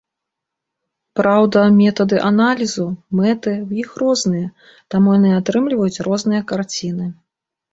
Праўда, метады аналізу, мэты ў іх розныя, таму яны атрымліваюць розныя карціны.